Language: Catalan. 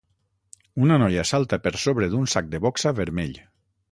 Una noia salta per sobre d'un sac de boxa vermell.